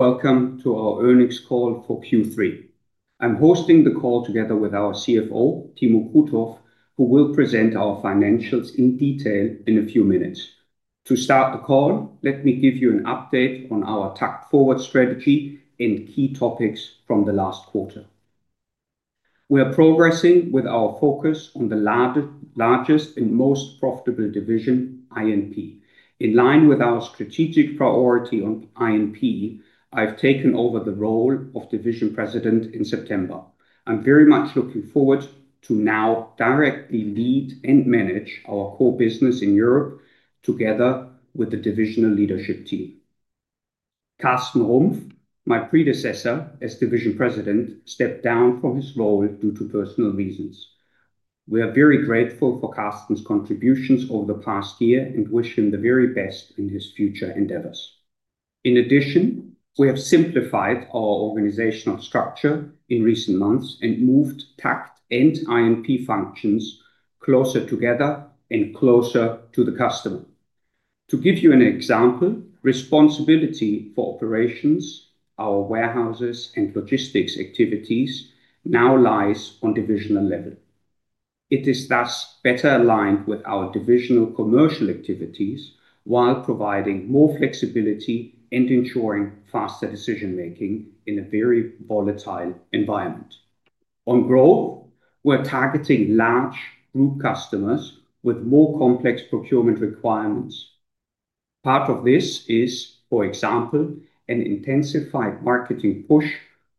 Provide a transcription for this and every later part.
Welcome to our earnings call for Q3. I'm hosting the call together with our CFO, Timo Krutoff, who will present our financials in detail in a few minutes. To start the call, let me give you an update on our TAKKT forward strategy and key topics from the last quarter. We are progressing with our focus on the largest and most profitable division, I&P. In line with our strategic priority on I&P, I've taken over the role of Division President in September. I'm very much looking forward to now directly lead and manage our core business in Europe, together with the divisional leadership team. Carsten Rumpf, my predecessor as Division President, stepped down from his role due to personal reasons. We are very grateful for Carsten's contributions over the past year and wish him the very best in his future endeavors. In addition, we have simplified our organizational structure in recent months and moved TAKKT and I&P functions closer together and closer to the customer. To give you an example, responsibility for operations, our warehouses, and logistics activities now lies on divisional level. It is thus better aligned with our divisional commercial activities while providing more flexibility and ensuring faster decision-making in a very volatile environment. On growth, we're targeting large group customers with more complex procurement requirements. Part of this is, for example, an intensified marketing push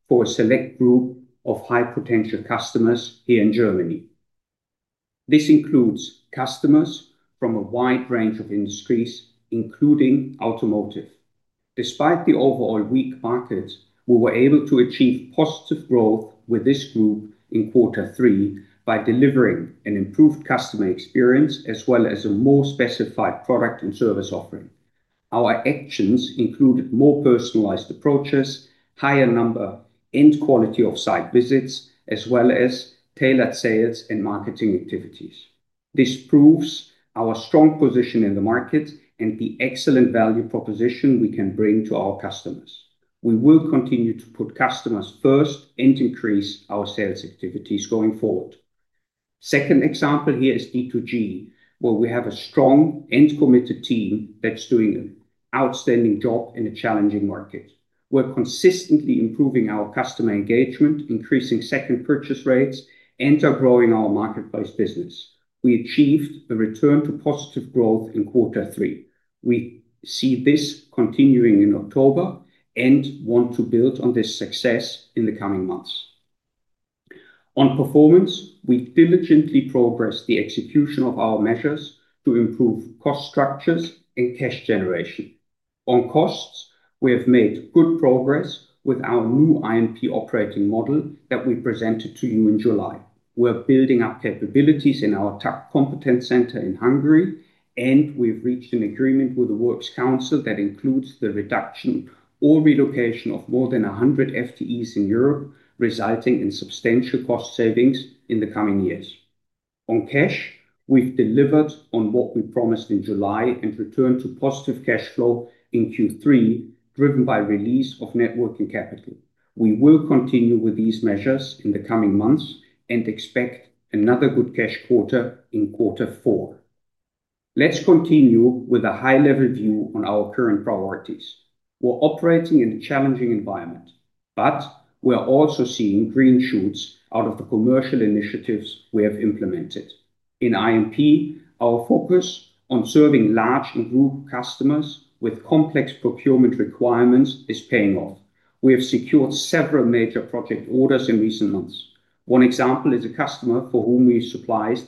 for a select group of high-potential customers here in Germany. This includes customers from a wide range of industries, including automotive. Despite the overall weak market, we were able to achieve positive growth with this group in Q3 by delivering an improved customer experience as well as a more specified product and service offering. Our actions included more personalized approaches, higher number and quality of site visits, as well as tailored sales and marketing activities. This proves our strong position in the market and the excellent value proposition we can bring to our customers. We will continue to put customers first and increase our sales activities going forward. The second example here is D2G, where we have a strong and committed team that's doing an outstanding job in a challenging market. We're consistently improving our customer engagement, increasing second purchase rates, and are growing our marketplace business. We achieved a return to positive growth in Q3. We see this continuing in October and want to build on this success in the coming months. On performance, we've diligently progressed the execution of our measures to improve cost structures and cash generation. On costs, we have made good progress with our new I&P operating model that we presented to you in July. We're building up capabilities in our TAKKT competence center in Hungary, and we've reached an agreement with the Works Council that includes the reduction or relocation of more than 100 FTEs in Europe, resulting in substantial cost savings in the coming years. On cash, we've delivered on what we promised in July and returned to positive cash flow in Q3, driven by the release of networking capital. We will continue with these measures in the coming months and expect another good cash quarter in Q4. Let's continue with a high-level view on our current priorities. We're operating in a challenging environment, but we are also seeing green shoots out of the commercial initiatives we have implemented. In I&P, our focus on serving large group customers with complex procurement requirements is paying off. We have secured several major project orders in recent months. One example is a customer for whom we supplied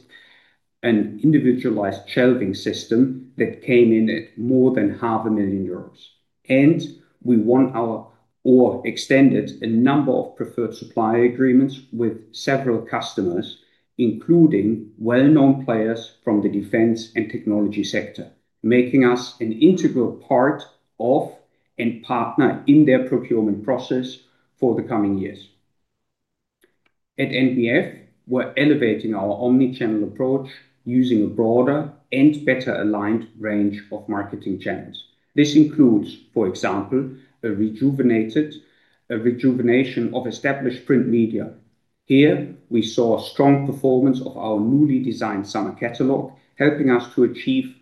an individualized shelving system that came in at more than half a million euros. We won or extended a number of preferred supplier agreements with several customers, including well-known players from the defense and technology sector, making us an integral part of and partner in their procurement process for the coming years. At NBF, we're elevating our omnichannel approach using a broader and better aligned range of marketing channels. This includes, for example, a rejuvenation of established print media. Here, we saw a strong performance of our newly designed summer catalog, helping us to achieve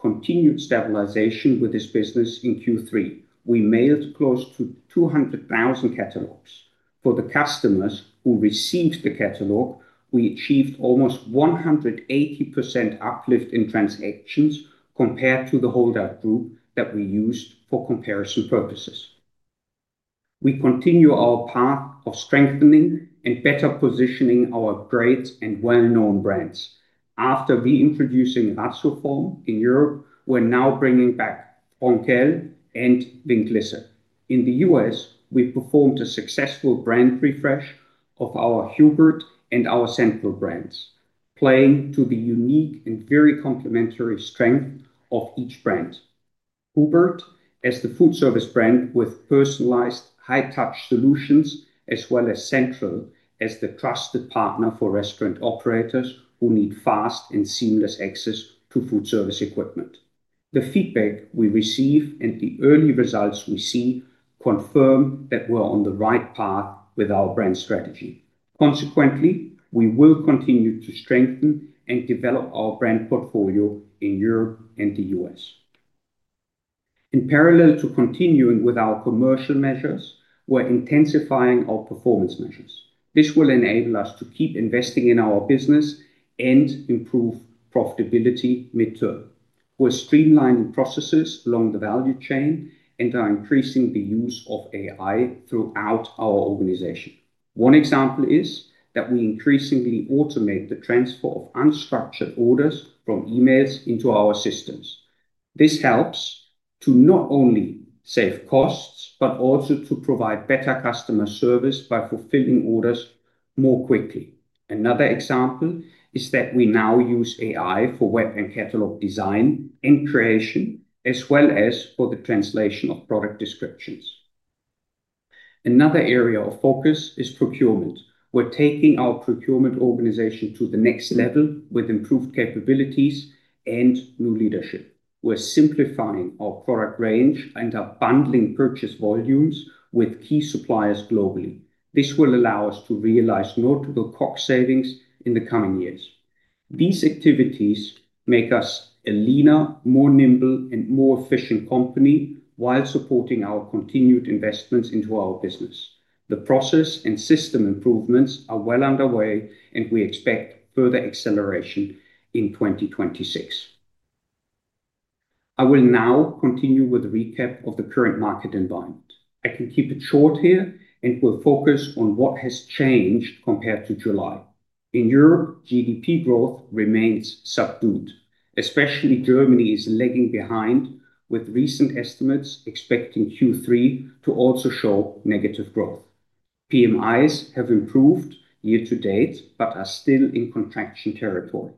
continued stabilization with this business in Q3. We mailed close to 200,000 catalogs. For the customers who received the catalog, we achieved almost 180% uplift in transactions compared to the holdout group that we used for comparison purposes. We continue our path of strengthening and better positioning our great and well-known brands. After reintroducing Raschform in Europe, we're now bringing back Frontal and Vink Lisse. In the U.S., we performed a successful brand refresh of our Hubert and our Central brands, playing to the unique and very complementary strength of each brand. Hubert as the food service brand with personalized high-touch solutions, as well as Central as the trusted partner for restaurant operators who need fast and seamless access to food service equipment. The feedback we receive and the early results we see confirm that we're on the right path with our brand strategy. Consequently, we will continue to strengthen and develop our brand portfolio in Europe and the U.S. In parallel to continuing with our commercial measures, we're intensifying our performance measures. This will enable us to keep investing in our business and improve profitability mid-term. We're streamlining processes along the value chain and are increasing the use of AI throughout our organization. One example is that we increasingly automate the transfer of unstructured orders from emails into our systems. This helps to not only save costs but also to provide better customer service by fulfilling orders more quickly. Another example is that we now use AI for web and catalog design and creation, as well as for the translation of product descriptions. Another area of focus is procurement. We're taking our procurement organization to the next level with improved capabilities and new leadership. We're simplifying our product range and are bundling purchase volumes with key suppliers globally. This will allow us to realize notable cost savings in the coming years. These activities make us a leaner, more nimble, and more efficient company while supporting our continued investments into our business. The process and system improvements are well underway, and we expect further acceleration in 2026. I will now continue with a recap of the current market environment. I can keep it short here and will focus on what has changed compared to July. In Europe, GDP growth remains subdued. Especially Germany is lagging behind, with recent estimates expecting Q3 to also show negative growth. PMIs have improved year to date but are still in contraction territory.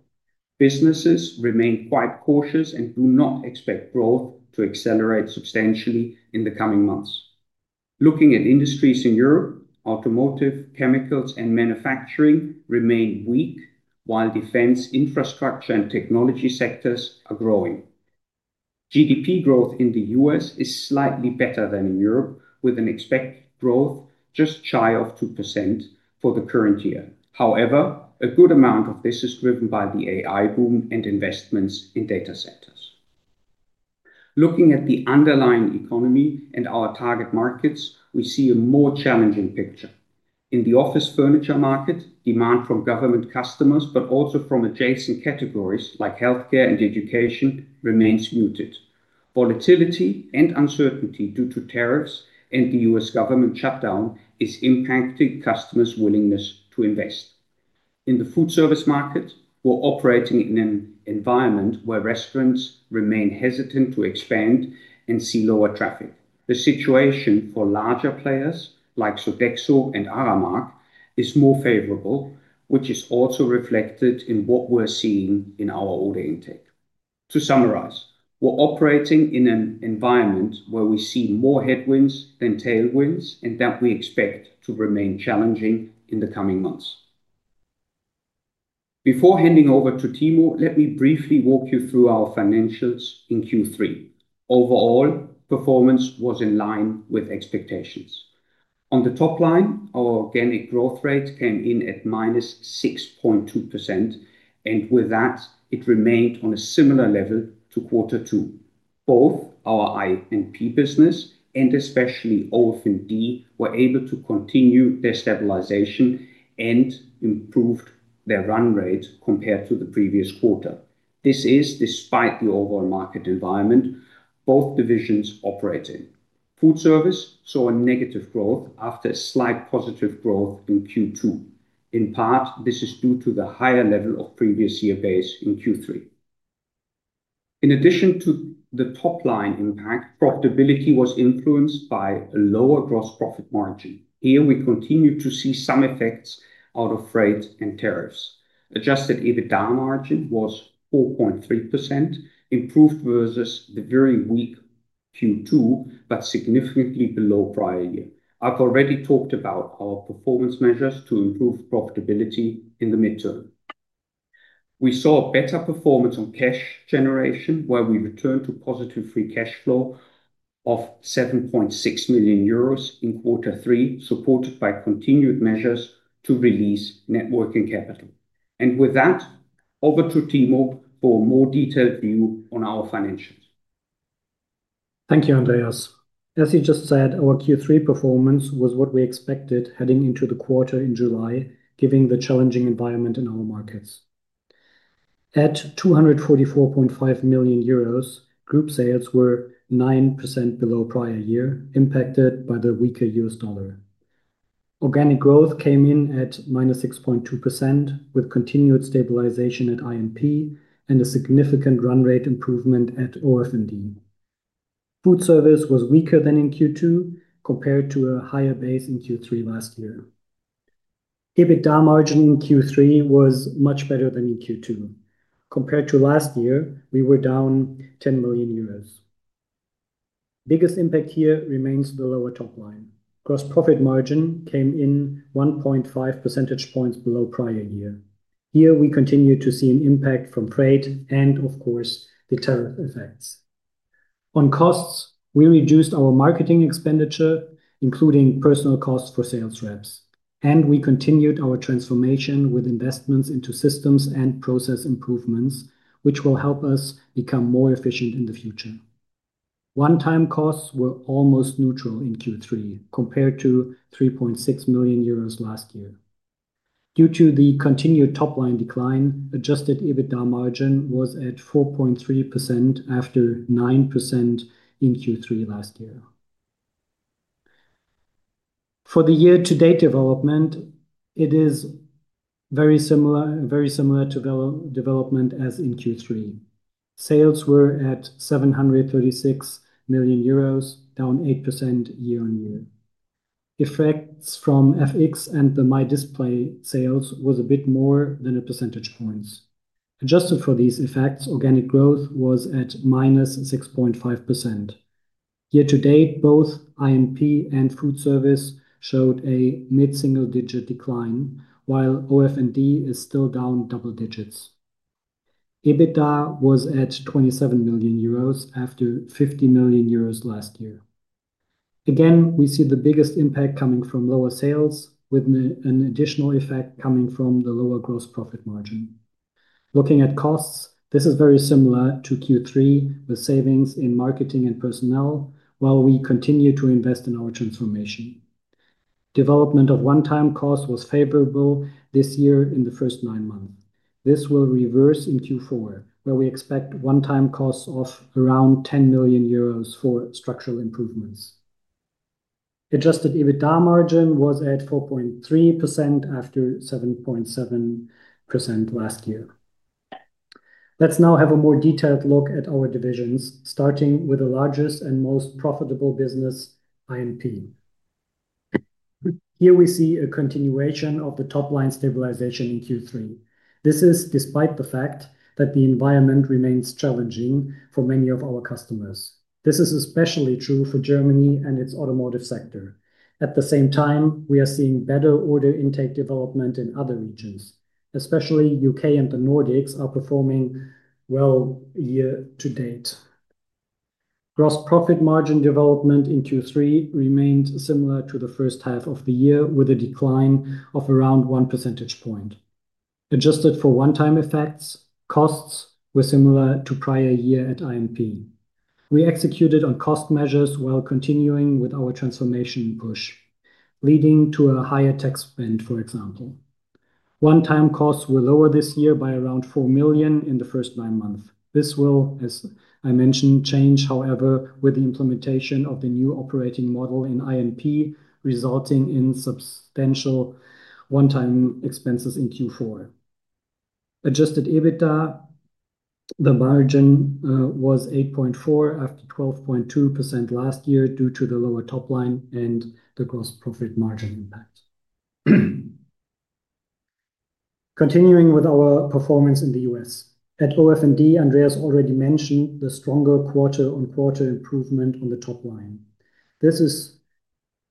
Businesses remain quite cautious and do not expect growth to accelerate substantially in the coming months. Looking at industries in Europe, automotive, chemicals, and manufacturing remain weak, while defense, infrastructure, and technology sectors are growing. GDP growth in the U.S. is slightly better than in Europe, with an expected growth just shy of 2% for the current year. However, a good amount of this is driven by the AI boom and investments in data centers. Looking at the underlying economy and our target markets, we see a more challenging picture. In the office furniture market, demand from government customers, but also from adjacent categories like healthcare and education, remains muted. Volatility and uncertainty due to tariffs and the U.S. government shutdown are impacting customers' willingness to invest. In the food service market, we're operating in an environment where restaurants remain hesitant to expand and see lower traffic. The situation for larger players like Sodexo and Aramark is more favorable, which is also reflected in what we're seeing in our order intake. To summarize, we're operating in an environment where we see more headwinds than tailwinds, and we expect it to remain challenging in the coming months. Before handing over to Timo, let me briefly walk you through our financials in Q3. Overall, performance was in line with expectations. On the top line, our organic growth rate came in at -6.2%, and with that, it remained on a similar level to Q2. Both our I&P business and especially OF&D were able to continue their stabilization and improved their run rate compared to the previous quarter. This is despite the overall market environment both divisions operate in. Food service saw a negative growth after a slight positive growth in Q2. In part, this is due to the higher level of previous year gains in Q3. In addition to the top-line impact, profitability was influenced by a lower gross profit margin. Here, we continue to see some effects out of freight and tariffs. Adjusted EBITDA margin was 4.3%, improved versus the very weak Q2 but significantly below prior year. I've already talked about our performance measures to improve profitability in the midterm. We saw a better performance on cash generation, where we returned to positive free cash flow of 7.6 million euros in Q3, supported by continued measures to release networking capital. With that, over to Timo for a more detailed view on our financials. Thank you, Andreas. As you just said, our Q3 performance was what we expected heading into the quarter in July, given the challenging environment in our markets. At 244.5 million euros, group sales were 9% below prior year, impacted by the weaker U.S. dollar. Organic growth came in at -6.2%, with continued stabilisation at I&P and a significant run rate improvement at OF&D. Food service was weaker than in Q2, compared to a higher base in Q3 last year. EBITDA margin in Q3 was much better than in Q2. Compared to last year, we were down 10 million euros. The biggest impact here remains the lower top line. Gross profit margin came in 1.5 percentage points below prior year. Here, we continue to see an impact from freight and, of course, the tariff effects. On costs, we reduced our marketing expenditure, including personnel costs for sales reps, and we continued our transformation with investments into systems and process improvements, which will help us become more efficient in the future. One-time costs were almost neutral in Q3, compared to 3.6 million euros last year. Due to the continued top-line decline, Adjusted EBITDA margin was at 4.3% after 9% in Q3 last year. For the year-to-date development, it is very similar to development as in Q3. Sales were at 736 million euros, down 8% year-on-year. Effects from FX and the MyDisplay sales were a bit more than a percentage point. Adjusted for these effects, organic growth was at -6.5%. Year to date, both I&P and food service showed a mid-single-digit decline, while OF&D is still down double digits. EBITDA was at 27 million euros after 50 million euros last year. Again, we see the biggest impact coming from lower sales, with an additional effect coming from the lower gross profit margin. Looking at costs, this is very similar to Q3, with savings in marketing and personnel, while we continue to invest in our transformation. Development of one-time costs was favorable this year in the first nine months. This will reverse in Q4, where we expect one-time costs of around 10 million euros for structural improvements. Adjusted EBITDA margin was at 4.3% after 7.7% last year. Let's now have a more detailed look at our divisions, starting with the largest and most profitable business, I&P. Here, we see a continuation of the top-line stabilisation in Q3. This is despite the fact that the environment remains challenging for many of our customers. This is especially true for Germany and its automotive sector. At the same time, we are seeing better order intake development in other regions. Especially the UK and the Nordics are performing well year to date. Gross profit margin development in Q3 remained similar to the first half of the year, with a decline of around 1 percentage point. Adjusted for one-time effects, costs were similar to prior year at I&P. We executed on cost measures while continuing with our transformation push, leading to a higher tax spend, for example. One-time costs were lower this year by around 4 million in the first nine months. This will, as I mentioned, change, however, with the implementation of the new operating model in I&P, resulting in substantial one-time expenses in Q4. Adjusted EBITDA margin was 8.4% after 12.2% last year due to the lower top line and the gross profit margin impact. Continuing with our performance in the U.S. At OF&D, Andreas already mentioned the stronger quarter-on-quarter improvement on the top line. This is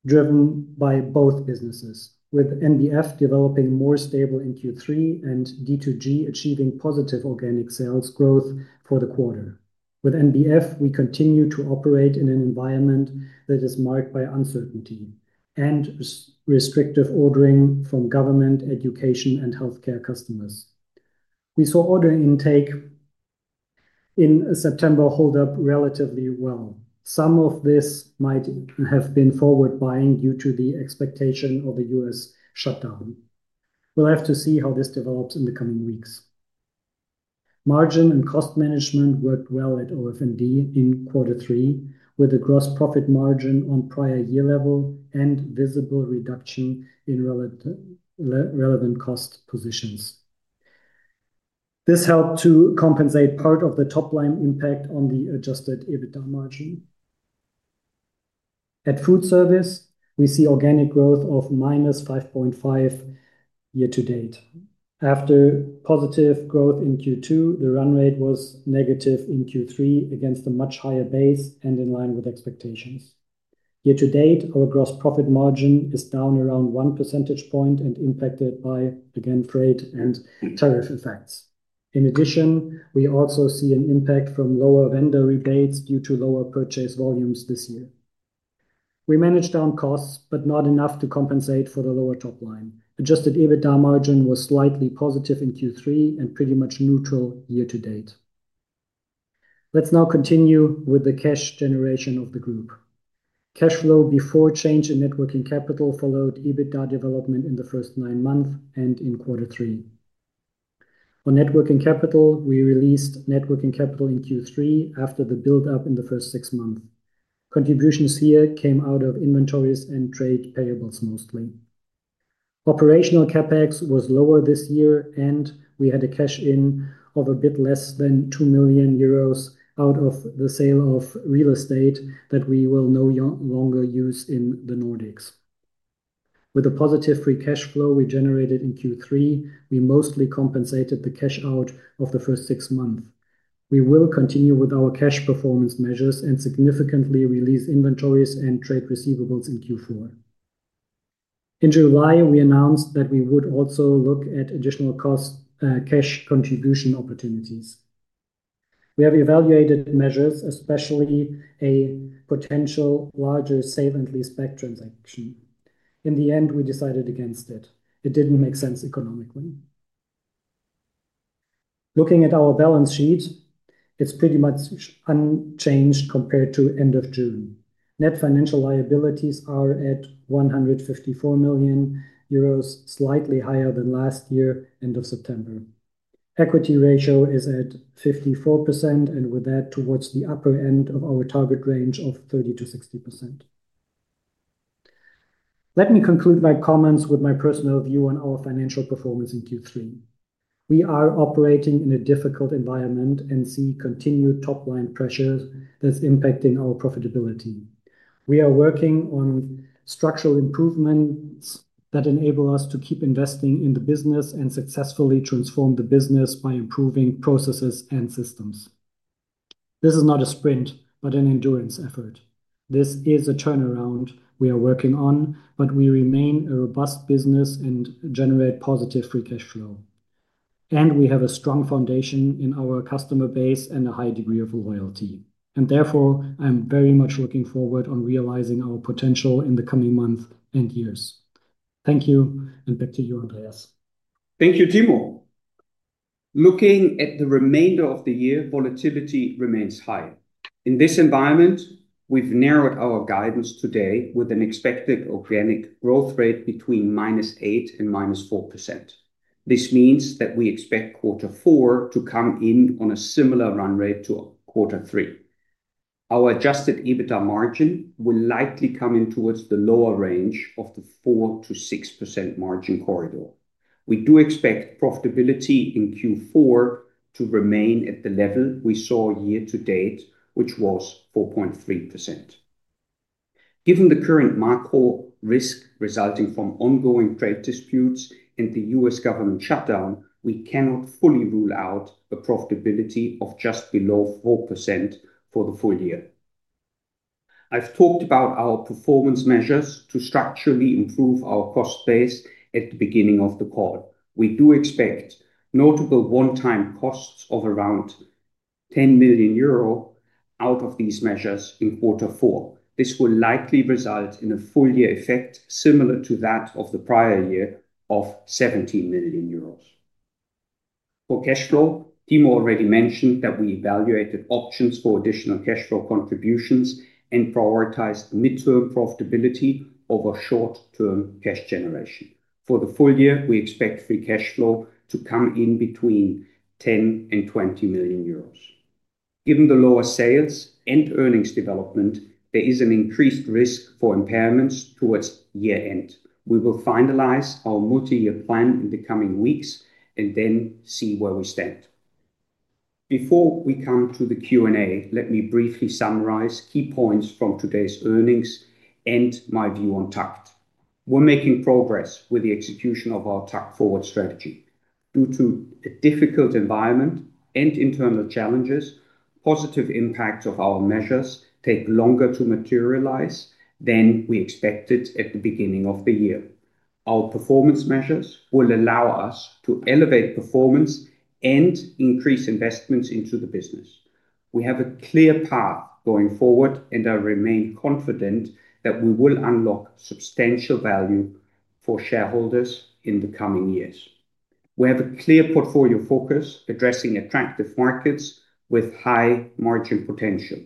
driven by both businesses, with NBF developing more stable in Q3 and D2G achieving positive organic sales growth for the quarter. With NBF, we continue to operate in an environment that is marked by uncertainty and restrictive ordering from government, education, and healthcare customers. We saw order intake in September hold up relatively well. Some of this might have been forward buying due to the expectation of a U.S. shutdown. We will have to see how this develops in the coming weeks. Margin and cost management worked well at OF&D in Q3, with a gross profit margin on prior year level and visible reduction in relevant cost positions. This helped to compensate part of the top-line impact on the Adjusted EBITDA margin. At food service, we see organic growth of -5.5% year to date. After positive growth in Q2, the run rate was negative in Q3 against a much higher base and in line with expectations. Year to date, our gross profit margin is down around 1 percentage point and impacted by, again, freight and tariff effects. In addition, we also see an impact from lower vendor rebates due to lower purchase volumes this year. We managed down costs, but not enough to compensate for the lower top line. Adjusted EBITDA margin was slightly positive in Q3 and pretty much neutral year to date. Let's now continue with the cash generation of the group. Cash flow before change in net working capital followed EBITDA development in the first nine months and in Q3. On net working capital, we released net working capital in Q3 after the build-up in the first six months. Contributions here came out of inventories and trade payables mostly. Operational CapEx was lower this year, and we had a cash in of a bit less than 2 million euros out of the sale of real estate that we will no longer use in the Nordics. With a positive free cash flow we generated in Q3, we mostly compensated the cash out of the first six months. We will continue with our cash performance measures and significantly release inventories and trade receivables in Q4. In July, we announced that we would also look at additional cost cash contribution opportunities. We have evaluated measures, especially a potential larger sale and lease-back transaction. In the end, we decided against it. It didn't make sense economically. Looking at our balance sheet, it's pretty much unchanged compared to end of June. Net financial liabilities are at 154 million euros, slightly higher than last year end of September. Equity ratio is at 54%, and with that, towards the upper end of our target range of 30%-60%. Let me conclude my comments with my personal view on our financial performance in Q3. We are operating in a difficult environment and see continued top-line pressure that's impacting our profitability. We are working on structural improvements that enable us to keep investing in the business and successfully transform the business by improving processes and systems. This is not a sprint but an endurance effort. This is a turnaround we are working on, yet we remain a robust business and generate positive free cash flow. We have a strong foundation in our customer base and a high degree of loyalty. Therefore, I'm very much looking forward to realising our potential in the coming months and years. Thank you, and back to you, Andreas. Thank you, Timo. Looking at the remainder of the year, volatility remains high. In this environment, we've narrowed our guidance today with an expected organic growth rate between -8% and -4%. This means that we expect Q4 to come in on a similar run rate to Q3. Our Adjusted EBITDA margin will likely come in towards the lower range of the 4%-6% margin corridor. We do expect profitability in Q4 to remain at the level we saw year to date, which was 4.3%. Given the current macro risk resulting from ongoing trade disputes and the U.S. government shutdown, we cannot fully rule out a profitability of just below 4% for the full year. I've talked about our performance measures to structurally improve our cost base at the beginning of the call. We do expect notable one-time costs of around 10 million euro out of these measures in Q4. This will likely result in a full-year effect similar to that of the prior year of 17 million euros. For cash flow, Timo already mentioned that we evaluated options for additional cash flow contributions and prioritized mid-term profitability over short-term cash generation. For the full year, we expect free cash flow to come in between 10 million and 20 million euros. Given the lower sales and earnings development, there is an increased risk for impairments towards year-end. We will finalize our multi-year plan in the coming weeks and then see where we stand. Before we come to the Q&A, let me briefly summarize key points from today's earnings and my view on TAKKT. We're making progress with the execution of our TAKKT forward strategy. Due to a difficult environment and internal challenges, positive impacts of our measures take longer to materialize than we expected at the beginning of the year. Our performance measures will allow us to elevate performance and increase investments into the business. We have a clear path going forward, and I remain confident that we will unlock substantial value for shareholders in the coming years. We have a clear portfolio focus addressing attractive markets with high margin potential.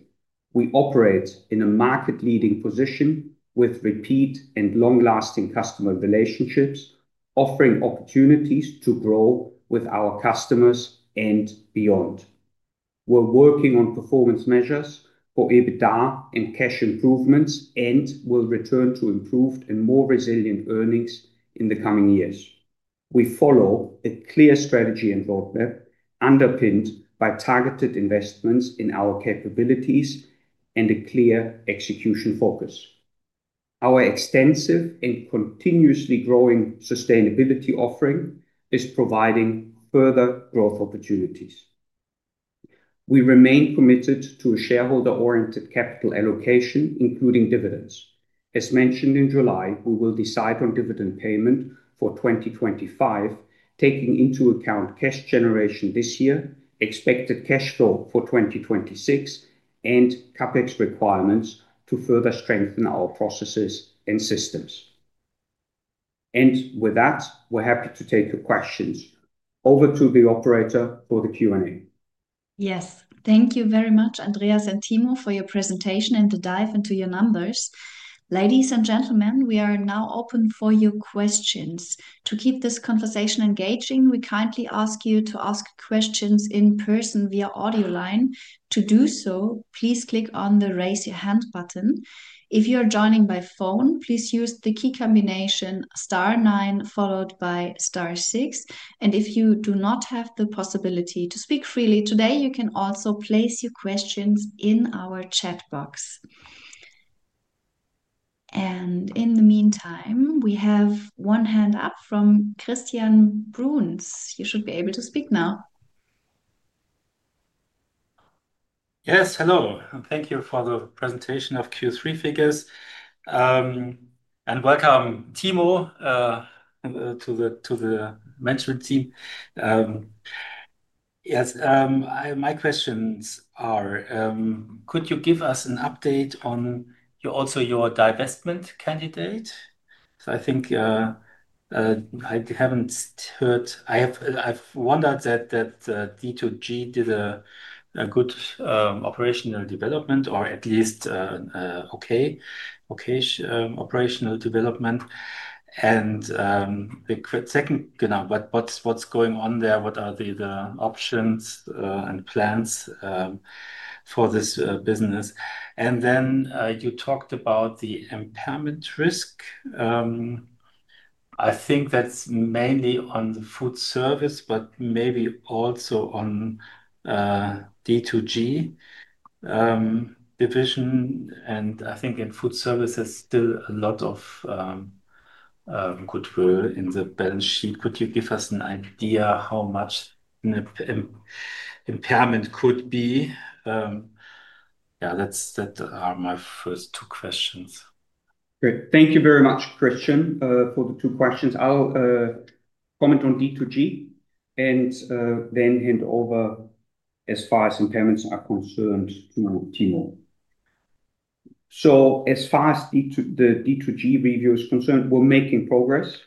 We operate in a market-leading position with repeat and long-lasting customer relationships, offering opportunities to grow with our customers and beyond. We're working on performance measures for EBITDA and cash improvements and will return to improved and more resilient earnings in the coming years. We follow a clear strategy and roadmap underpinned by targeted investments in our capabilities and a clear execution focus. Our extensive and continuously growing sustainability offering is providing further growth opportunities. We remain committed to a shareholder-oriented capital allocation, including dividends. As mentioned in July, we will decide on dividend payment for 2025, taking into account cash generation this year, expected cash flow for 2026, and CapEx requirements to further strengthen our processes and systems. With that, we're happy to take your questions. Over to the operator for the Q&A. Yes, thank you very much, Andreas and Timo, for your presentation and the dive into your numbers. Ladies and gentlemen, we are now open for your questions. To keep this conversation engaging, we kindly ask you to ask questions in person via audio line. To do so, please click on the Raise Your Hand button. If you are joining by phone, please use the key combination star nine followed by star six. If you do not have the possibility to speak freely today, you can also place your questions in our chat box. In the meantime, we have one hand up from Christian Bruns. You should be able to speak now. Yes, hello, and thank you for the presentation of Q3 figures. Welcome, Timo, to the mentoring team. My questions are, could you give us an update on also your divestment candidate? I think I haven't heard, I've wondered that D2G did a good operational development or at least okay operational development. What's going on there? What are the options and plans for this business? You talked about the impairment risk. I think that's mainly on the food service, but maybe also on D2G division. I think in food service, there's still a lot of goodwill in the balance sheet. Could you give us an idea how much impairment could be? That's my first two questions. Great. Thank you very much, Christian, for the two questions. I'll comment on D2G and then hand over as far as impairments are concerned to Timo. As far as the D2G review is concerned, we're making progress.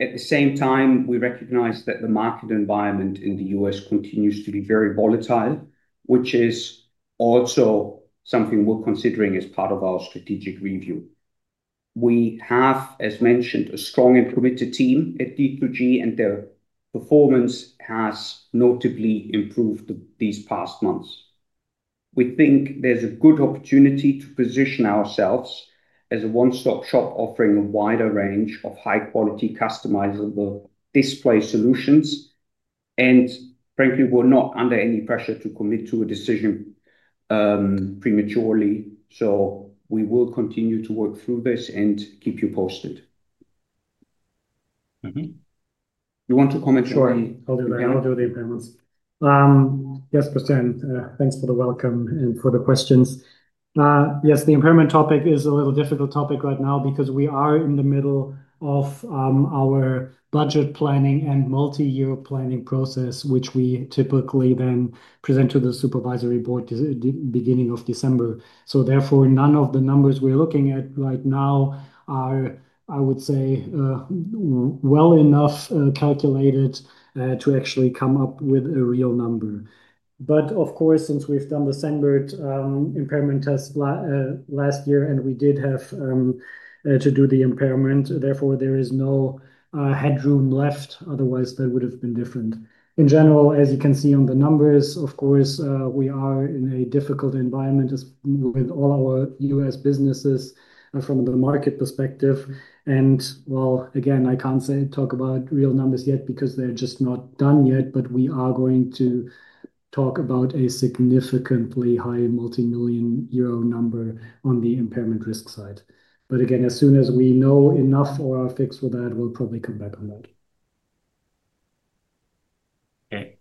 At the same time, we recognize that the market environment in the U.S. continues to be very volatile, which is also something we're considering as part of our strategic review. We have, as mentioned, a strong and committed team at D2G, and their performance has notably improved these past months. We think there's a good opportunity to position ourselves as a one-stop shop offering a wider range of high-quality, customizable display solutions. Frankly, we're not under any pressure to commit to a decision prematurely. We will continue to work through this and keep you posted. You want to comment? Sure. How do the impairments? Yes, Christian, thanks for the welcome and for the questions. Yes, the impairment topic is a little difficult topic right now because we are in the middle of our budget planning and multi-year planning process, which we typically then present to the Supervisory Board at the beginning of December. Therefore, none of the numbers we're looking at right now are, I would say, well enough calculated to actually come up with a real number. Of course, since we've done the SendBird impairment test last year, and we did have to do the impairment, there is no headroom left. Otherwise, that would have been different. In general, as you can see on the numbers, we are in a difficult environment with all our U.S. businesses from the market perspective. I can't talk about real numbers yet because they're just not done yet, but we are going to talk about a significantly high multi-million euro number on the impairment risk side. As soon as we know enough or are fixed with that, we'll probably come back on that. Okay.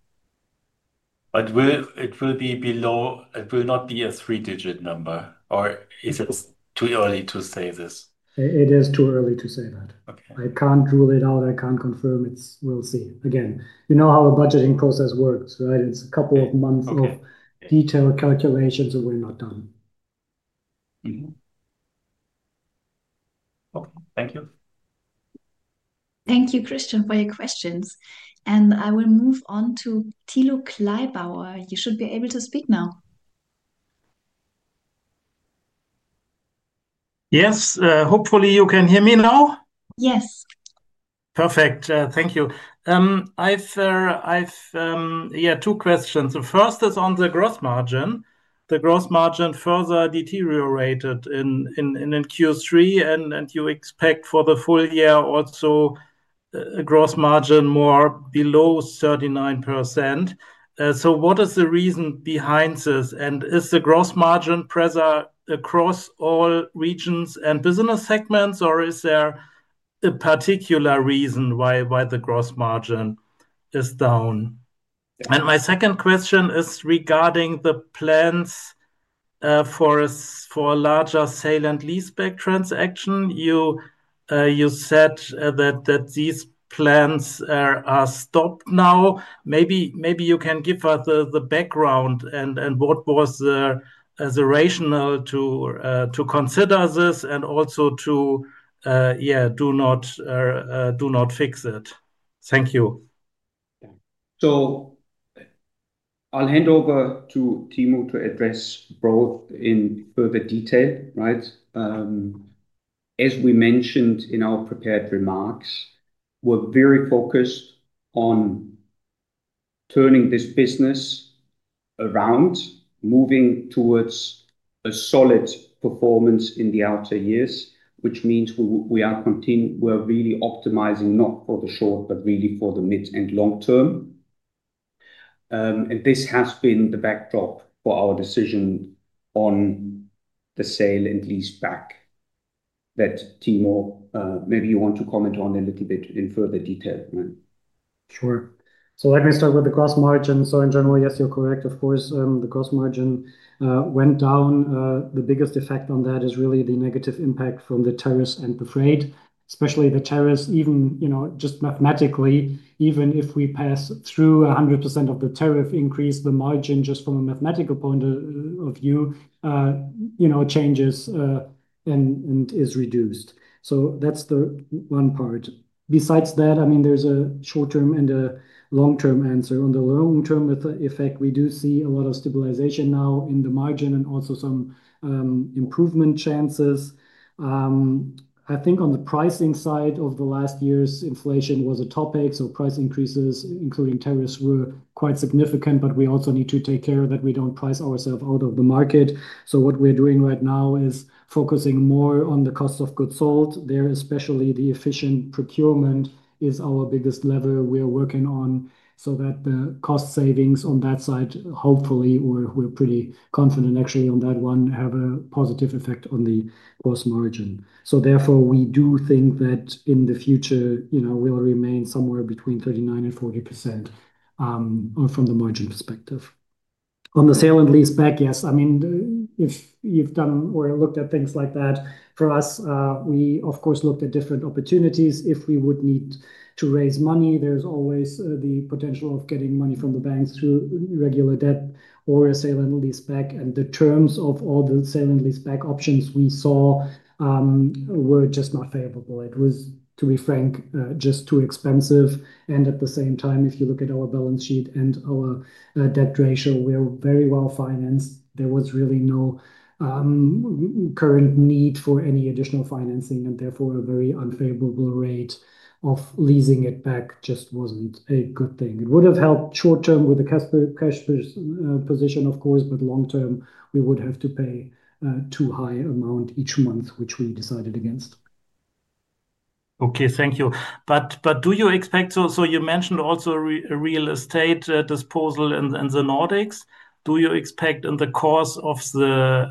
It will be below, it will not be a three-digit number, or is it too early to say this? It is too early to say that. Okay. I can't rule it out. I can't confirm. We'll see. You know how a budgeting process works, right? It's a couple of months of detailed calculations, and we're not done. Okay, thank you. Thank you, Christian, for your questions. I will move on to Tilo Klaibarwa. You should be able to speak now. Yes, hopefully you can hear me now? Yes. Perfect. Thank you. I have two questions. The first is on the gross margin. The gross margin further deteriorated in Q3, and you expect for the full year also a gross margin below 39%. What is the reason behind this? Is the gross margin present across all regions and business segments, or is there a particular reason why the gross margin is down? My second question is regarding the plans for a larger sale and lease-back transaction. You said that these plans are stopped now. Maybe you can give us the background and what was the rationale to consider this and also to not fix it. Thank you. I'll hand over to Timo to address both in further detail, right? As we mentioned in our prepared remarks, we're very focused on turning this business around, moving towards a solid performance in the outer years, which means we are really optimising not for the short, but really for the mid and long term. This has been the backdrop for our decision on the sale and lease-back that Timo, maybe you want to comment on a little bit in further detail, right? Sure. Let me start with the gross margin. In general, yes, you're correct, of course. The gross margin went down. The biggest effect on that is really the negative impact from the tariffs and the freight, especially the tariffs. Even just mathematically, even if we pass through 100% of the tariff increase, the margin, just from a mathematical point of view, changes and is reduced. That's the one part. Besides that, there's a short-term and a long-term answer. On the long-term effect, we do see a lot of stabilization now in the margin and also some improvement chances. I think on the pricing side of the last years, inflation was a topic. Price increases, including tariffs, were quite significant, but we also need to take care that we don't price ourselves out of the market. What we're doing right now is focusing more on the cost of goods sold there, especially the efficient procurement is our biggest lever we're working on so that the cost savings on that side, hopefully, we're pretty confident actually on that one, have a positive effect on the gross margin. Therefore, we do think that in the future, we'll remain somewhere between 39% and 40% from the margin perspective. On the sale and lease-back, if you've done or looked at things like that, for us, we, of course, looked at different opportunities. If we would need to raise money, there's always the potential of getting money from the banks through regular debt or a sale and lease-back. The terms of all the sale and lease-back options we saw were just not favorable. It was, to be frank, just too expensive. At the same time, if you look at our balance sheet and our debt ratio, we're very well financed. There was really no current need for any additional financing, and therefore, a very unfavorable rate of leasing it back just wasn't a good thing. It would have helped short-term with the cash position, of course, but long-term, we would have to pay a too high amount each month, which we decided against. Okay, thank you. Do you expect, you mentioned also a real estate disposal in the Nordics, do you expect in the course of the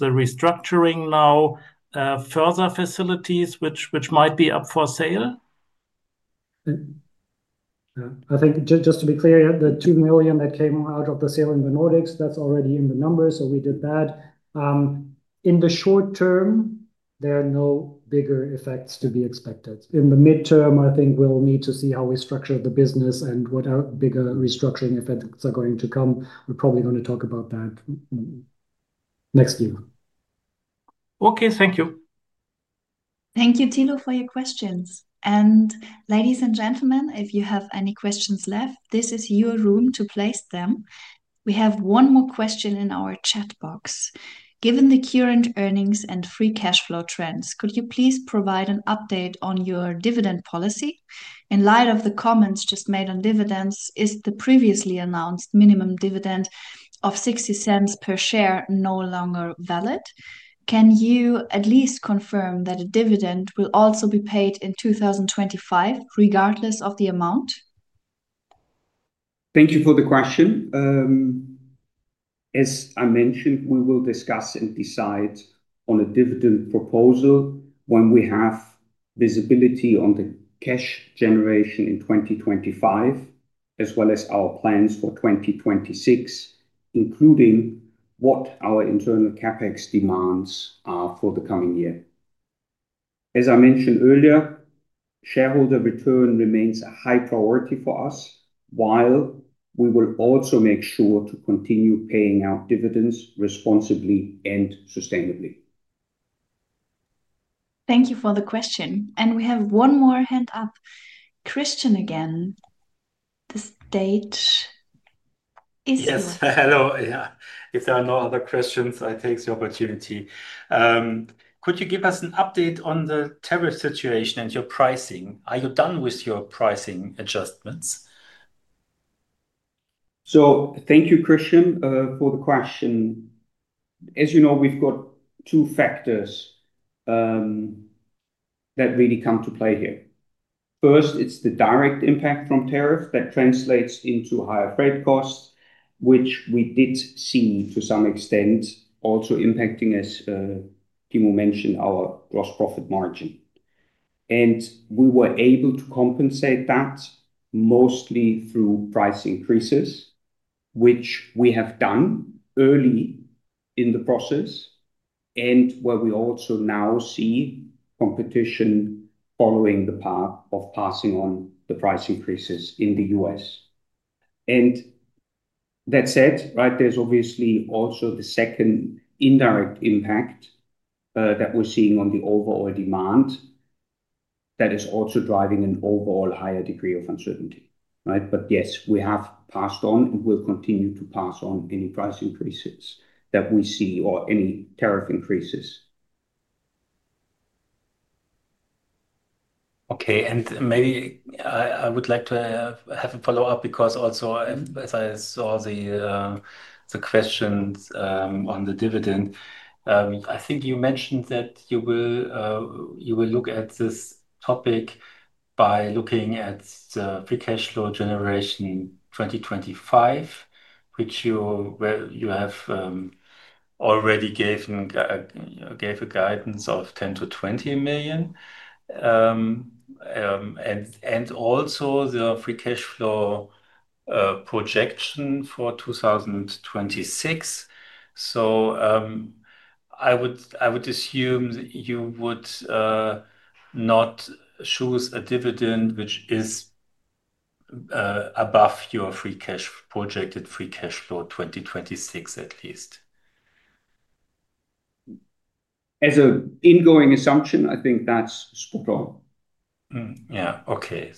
restructuring now further facilities, which might be up for sale? I think just to be clear, the 2 million that came out of the sale in the Nordics, that's already in the numbers. We did that. In the short term, there are no bigger effects to be expected. In the midterm, I think we'll need to see how we structure the business and what bigger restructuring effects are going to come. We're probably going to talk about that next year. Okay, thank you. Thank you, Timo, for your questions. Ladies and gentlemen, if you have any questions left, this is your room to place them. We have one more question in our chat box. Given the current earnings and free cash flow trends, could you please provide an update on your dividend policy? In light of the comments just made on dividends, is the previously announced minimum dividend of 0.60 per share no longer valid? Can you at least confirm that a dividend will also be paid in 2025, regardless of the amount? Thank you for the question. As I mentioned, we will discuss and decide on a dividend proposal when we have visibility on the cash generation in 2025, as well as our plans for 2026, including what our internal CapEx demands are for the coming year. As I mentioned earlier, shareholder return remains a high priority for us, while we will also make sure to continue paying out dividends responsibly and sustainably. Thank you for the question. We have one more hand up. Christian again. This date is yours. Yes, hello. If there are no other questions, I take the opportunity. Could you give us an update on the tariff situation and your pricing? Are you done with your pricing adjustments? Thank you, Christian, for the question. As you know, we've got two factors that really come to play here. First, it's the direct impact from tariffs that translates into higher freight costs, which we did see to some extent also impacting, as Timo mentioned, our gross profit margin. We were able to compensate that mostly through price increases, which we have done early in the process, and where we also now see competition following the path of passing on the price increases in the U.S. There is obviously also the second indirect impact that we're seeing on the overall demand that is also driving an overall higher degree of uncertainty. Yes, we have passed on and will continue to pass on any price increases that we see or any tariff increases. Okay. Maybe I would like to have a follow-up because also, as I saw the questions on the dividend, I think you mentioned that you will look at this topic by looking at the free cash flow generation 2025, which you have already given a guidance of 10 million-20 million, and also the free cash flow projection for 2026. I would assume you would not choose a dividend which is above your projected free cash flow 2026, at least. As an ongoing assumption, I think that's spot on. Yeah, okay,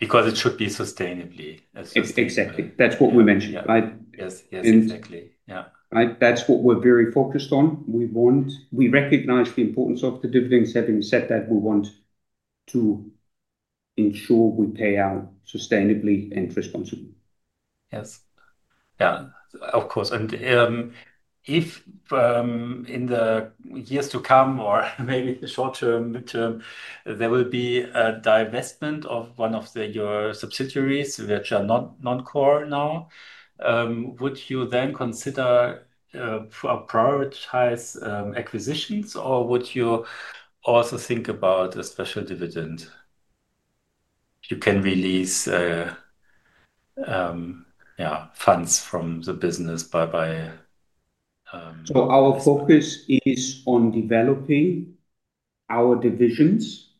because it should be sustainably. Exactly. That's what we mentioned, right? Yes, yes, exactly. Yeah. Right? That's what we're very focused on. We recognize the importance of the dividends. Having said that, we want to ensure we pay out sustainably and responsibly. Yes, of course. If in the years to come, or maybe the short term or midterm, there will be a divestment of one of your subsidiaries which are non-core now, would you then consider prioritizing acquisitions, or would you also think about a special dividend? You can release funds from the business by. Our focus is on developing our divisions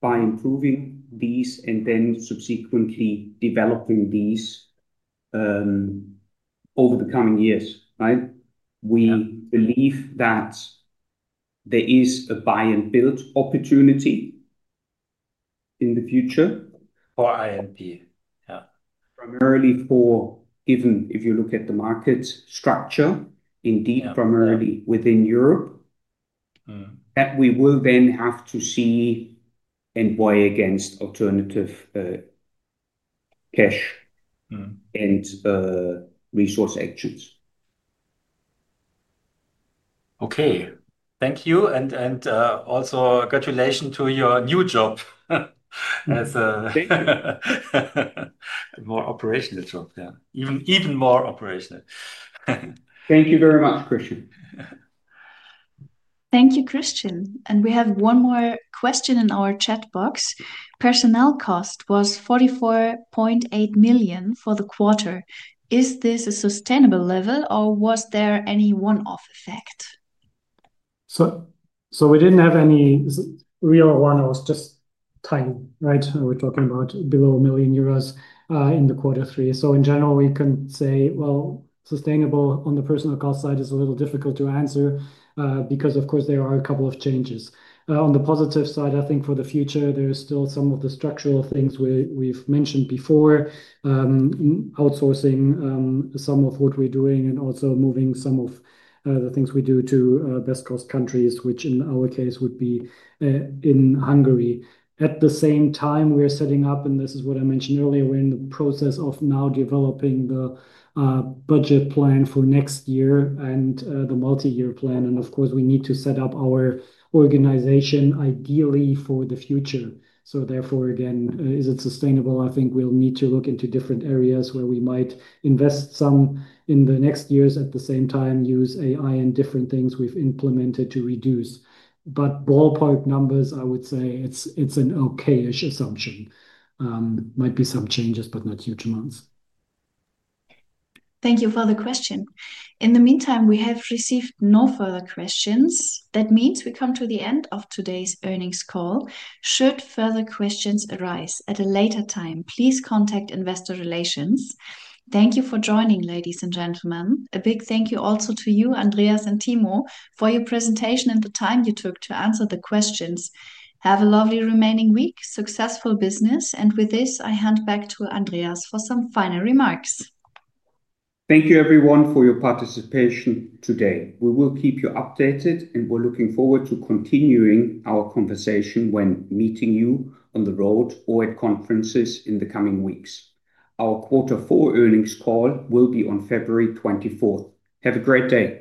by improving these and then subsequently developing these over the coming years, right? We believe that there is a buy-and-build opportunity in the future. Industrial & Packaging, yeah. Primarily for, given if you look at the market structure, indeed primarily within Europe, that we will then have to see and weigh against alternative cash and resource actions. Thank you. Also, congratulations to your new job. Thank you. More operational job. Yeah, even more operational. Thank you very much, Christian. Thank you, Christian. We have one more question in our chat box. Personnel cost was 44.8 million for the quarter. Is this a sustainable level, or was there any one-off effect? We didn't have any real one-offs, just tiny, right? We're talking about below 1 million euros in Q3. In general, we can say sustainable on the personnel cost side is a little difficult to answer because, of course, there are a couple of changes. On the positive side, I think for the future, there's still some of the structural things we've mentioned before, outsourcing some of what we're doing and also moving some of the things we do to best-cost countries, which in our case would be in Hungary. At the same time, we're setting up, and this is what I mentioned earlier, we're in the process of now developing the budget plan for next year and the multi-year plan. Of course, we need to set up our organization ideally for the future. Therefore, is it sustainable? I think we'll need to look into different areas where we might invest some in the next years. At the same time, use AI and different things we've implemented to reduce. Ballpark numbers, I would say it's an okay-ish assumption. Might be some changes, but not huge amounts. Thank you for the question. In the meantime, we have received no further questions. That means we come to the end of today's earnings call. Should further questions arise at a later time, please contact investor relations. Thank you for joining, ladies and gentlemen. A big thank you also to you, Andreas and Timo, for your presentation and the time you took to answer the questions. Have a lovely remaining week, successful business. With this, I hand back to Andreas for some final remarks. Thank you, everyone, for your participation today. We will keep you updated, and we're looking forward to continuing our conversation when meeting you on the road or at conferences in the coming weeks. Our Q4 earnings call will be on February 24, 2023. Have a great day.